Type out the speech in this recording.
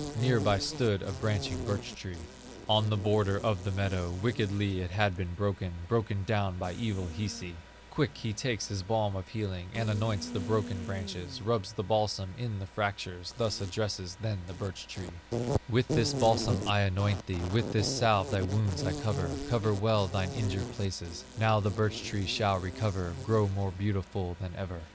Near by stood a branching birch tree, On the border of the meadow, Wickedly it had been broken, Broken down by evil Hisi; Quick he takes his balm of healing, And anoints the broken branches, Rubs the balsam in the fractures, Thus addresses then the birch tree: "With this balsam I anoint thee, With this salve thy wounds I cover, Cover well thine injured places; Now the birch tree shall recover, Grow more beautiful than ever."